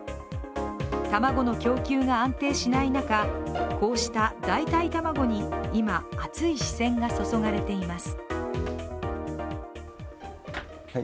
卵の供給が安定しない中こうした代替卵に今、熱い視線が注がれています。